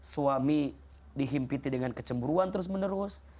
suami dihimpiti dengan kecemburuan terus menerus